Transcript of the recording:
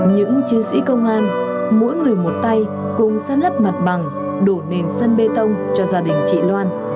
những chiến sĩ công an mỗi người một tay cùng san lấp mặt bằng đổ nền sân bê tông cho gia đình chị loan